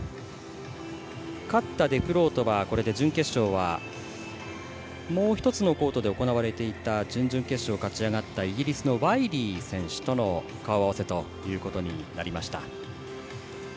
勝ったデフロートは準決勝はもう１つのコートで行われていた準々決勝を勝ち上がったイギリスのワイリー選手との顔合わせとなりました。